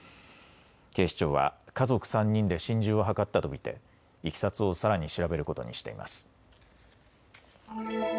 警視庁は家族３人で心中を図ったと見ていきさつをさらに調べることにしています。